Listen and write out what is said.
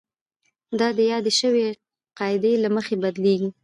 دا د یادې شوې قاعدې له مخې بدلیږي.